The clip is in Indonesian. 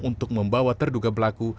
untuk membawa terduga pelaku